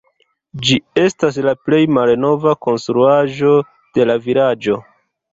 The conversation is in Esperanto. Ĝi estas la plej malnova konstruaĵo de la vilaĝo.